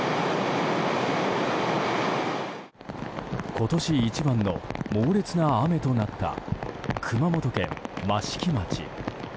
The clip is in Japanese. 今年一番の猛烈な雨となった熊本県益城町。